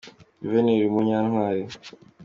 Ntivyategerezwa gushika, ariko vyabaye,” ni ko yavuze.